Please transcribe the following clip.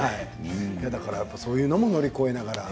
だから、そういうのも乗り越えながら。